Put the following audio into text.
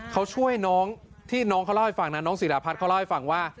เขาช่วยน้องที่น้องเขาเล่าให้ฟังนะน้องศิราพัฒน์เขาเล่าให้ฟังว่า